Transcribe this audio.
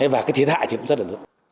và cái thiệt hại thì cũng rất là lớn